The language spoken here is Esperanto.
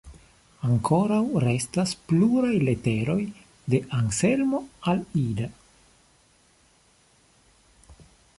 Ankoraŭ restas pluraj leteroj de Anselmo al Ida.